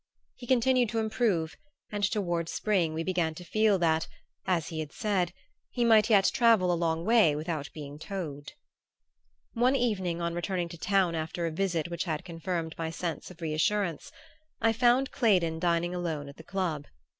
He continued to improve and toward spring we began to feel that, as he had said, he might yet travel a long way without being towed. One evening, on returning to town after a visit which had confirmed my sense of reassurance, I found Claydon dining alone at the club.